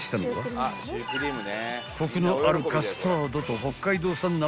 ［コクのあるカスタードと北海道産生